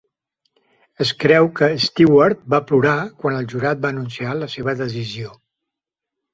Es creu que Stewart va plorar quan el jurat va anunciar la seva decisió.